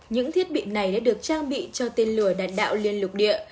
những thiết bị này đã được trang bị cho tên lửa đạn đạo liên lục địa